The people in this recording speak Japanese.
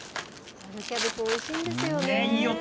春キャベツ、おいしいんですよね。